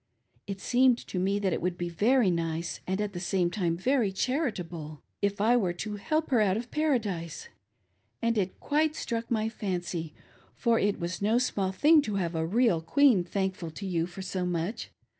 It seemed to me that it would be very nic^ NAPOLEON AND WASHINGTON BECOME MORMON ELDERS. 49I and at the same time very charitable, if I were to help her out of Paradise — It quite struck my fancy, for it was no small thing to have a real queen thankful to you for so much.